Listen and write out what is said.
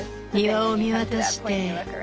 庭を見渡して。